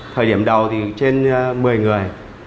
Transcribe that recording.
thời điểm đầu thì trên một mươi người